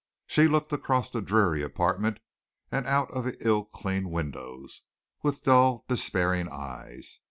She looked across the dreary apartment and out of the ill cleaned windows, with dull, despairing eyes.